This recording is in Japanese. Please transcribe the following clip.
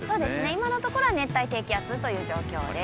今のところは熱帯低気圧という状況です。